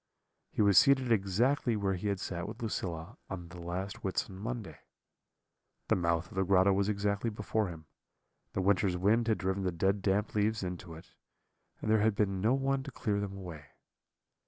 He was seated exactly where he had sat with Lucilla on the last Whitsun Monday. The mouth of the grotto was exactly before him; the winter's wind had driven the dead damp leaves into it, and there had been no one to clear them away.